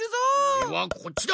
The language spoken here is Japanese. おれはこっちだ！